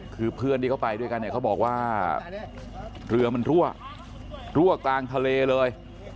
คือเพื่อนที่เขาไปด้วยกันเนี่ยเขาบอกว่าเรือมันรั่วรั่วกลางทะเลเลย